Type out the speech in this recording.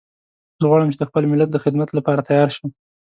زه غواړم چې د خپل ملت د خدمت لپاره تیار شم